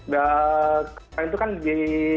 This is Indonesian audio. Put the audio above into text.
kami itu kan di